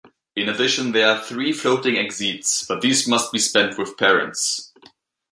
In addition, there are three floating exeats but these must be spent with parents.